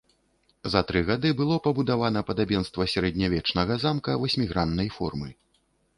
За тры гады было пабудавана падабенства сярэднявечнага замка васьміграннай формы.